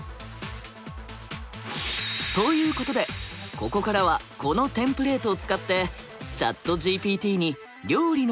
ということでここからはこのテンプレートを使ってＣｈａｔＧＰＴにじゃあ桜井さん和食。